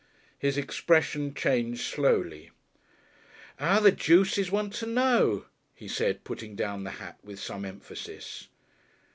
His expression changed slowly. "'Ow the Juice is one to know?" he said, putting down the hat with some emphasis.